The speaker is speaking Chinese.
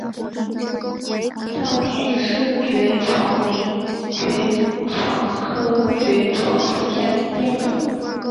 早田氏爵床为爵床科爵床属下的一个变种。